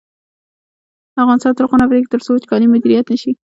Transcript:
افغانستان تر هغو نه ابادیږي، ترڅو وچکالي مدیریت نشي.